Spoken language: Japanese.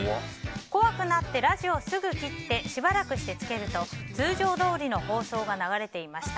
怖くなってラジオをすぐ切ってしばらくしてつけると通常どおりの放送が流れていました。